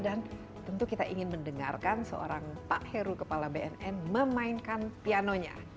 dan tentu kita ingin mendengarkan seorang pak ero kepala bnn memainkan pianonya